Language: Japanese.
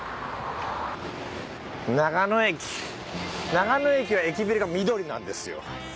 長野駅は駅ビルが緑なんですよ。